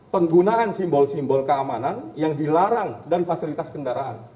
penggunaan simbol simbol keamanan yang dilarang dan fasilitas kendaraan